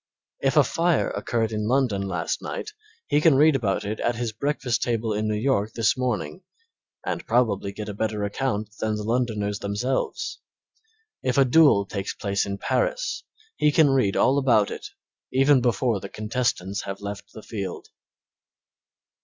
If a fire occurred in London last night he can read about it at his breakfast table in New York this morning, and probably get a better account than the Londoners themselves. If a duel takes place in Paris he can read all about it even before the contestants have left the field.